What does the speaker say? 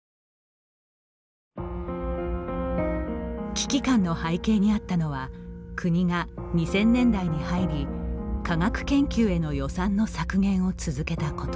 危機感の背景にあったのは国が、２０００年代に入り科学研究への予算の削減を続けたこと。